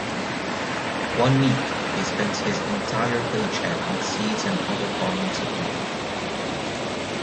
One week he spends his entire paycheck on seeds and other farming supplies.